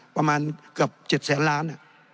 ประมาณเกือบ๗แสนล้าน